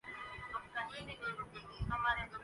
حکومتیں مضبوط ہوں۔